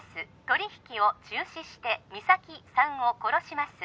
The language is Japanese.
取り引きを中止して実咲さんを殺します